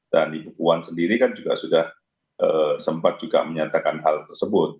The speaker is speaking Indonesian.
dan ibu puan sendiri kan juga sudah sempat juga menyatakan hal tersebut